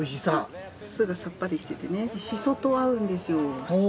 酢がさっぱりしててねシソと合うんですよ。